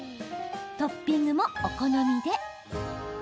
トッピングもお好みで。